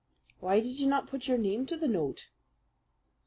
"Why did you not put your name to the note?"